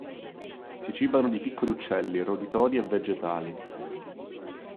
Si cibano di piccoli uccelli, roditori e vegetali.